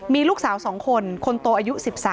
มีลูกสาว๒คนคนโตอายุ๑๓